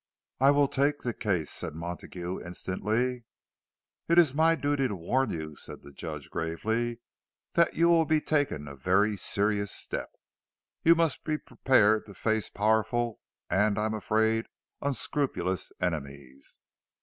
"I will take the case," said Montague instantly. "It is my duty to warn you," said the Judge, gravely, "that you will be taking a very serious step. You must be prepared to face powerful, and, I am afraid, unscrupulous enemies.